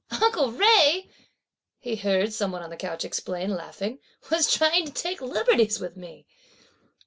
"Uncle Jui," he heard some one on the couch explain, laughing, "was trying to take liberties with me!"